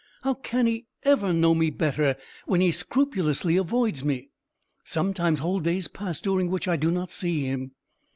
"How can he ever know me better when he scrupulously avoids me? Sometimes whole days pass during which I do not see him.